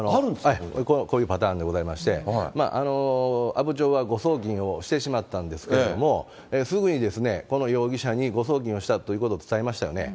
こういうパターンでございまして、阿武町は誤送金をしてしまったんですけども、すぐにこの容疑者に誤送金をしたということを伝えましたよね。